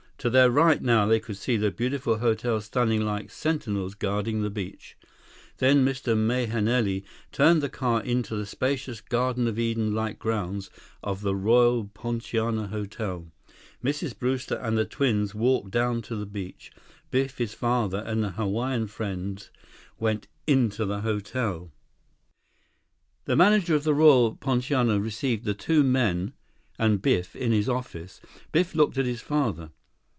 To their right now, they could see the beautiful hotels standing like sentinels guarding the beach. Then Mr. Mahenili turned the car into the spacious Garden of Eden like grounds of the Royal Poinciana Hotel. Mrs. Brewster and the twins walked down to the beach. Biff, his father, and their Hawaiian friend went into the hotel. 30 The manager of the Royal Poinciana received the two men and Biff in his office. Biff looked at his father.